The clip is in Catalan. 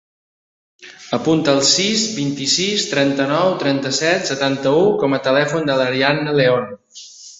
Apunta el sis, vint-i-sis, trenta-nou, trenta-set, setanta-u com a telèfon de l'Arianna Leon.